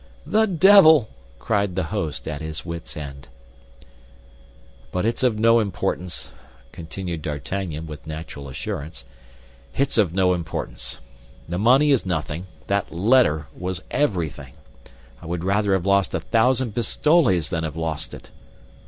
"The devil!" cried the host, at his wits' end. "But it's of no importance," continued D'Artagnan, with natural assurance; "it's of no importance. The money is nothing; that letter was everything. I would rather have lost a thousand pistoles than have lost it."